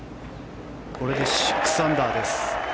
これで６アンダーです。